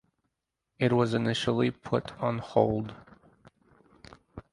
It was initially put on hold.